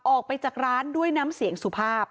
ออกไปจากร้านด้วยน้ำเสียงสุภาพ